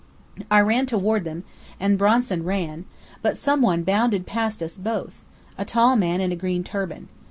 I ran toward them, and Bronson ran, but some one bounded past us both a tall man in a green turban.